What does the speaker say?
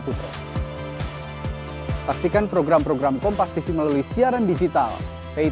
ditugaskan oleh golkar dan ditugaskan oleh keluarga pak ridwan kamil